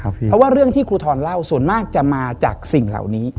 เพราะว่าเรื่องที่ครูทรเล่าส่วนมากจะมาจากสิ่งเหล่านี้